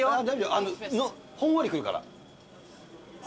ほんわり来るから。